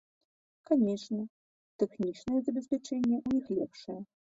Канечне, тэхнічнае забеспячэнне ў іх лепшае.